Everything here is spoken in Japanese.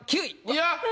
いや！